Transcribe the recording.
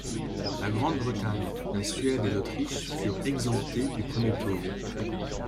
La Grande-Bretagne, la Suède et l'Autriche furent exemptés du premier tour.